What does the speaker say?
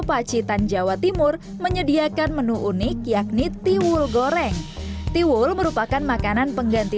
pacitan jawa timur menyediakan menu unik yakni tiwul goreng tiwul merupakan makanan pengganti